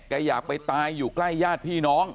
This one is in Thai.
อยากไปตายอยู่ใกล้ญาติพี่น้อง